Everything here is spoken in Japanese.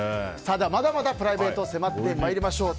まだまだプライベート迫って参りましょう。